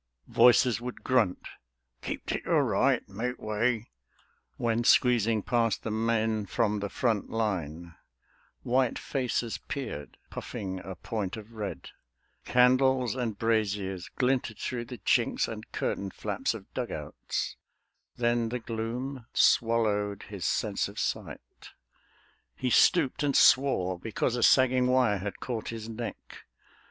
Voices would grunt, "Keep to your right, make way!" When squeezing past the men from the front line: White faces peered, puffing a point of red; Candles and braziers glinted through the chinks And curtain flaps of dug outs; then the gloom Swallowed his sense of sight; he stooped and swore Because a sagging wire had caught his neck.